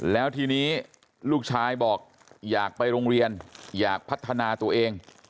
แล้วทีนี้ลูกชายบอกอยากไปโรงเรียนอยากพัฒนาตัวเอง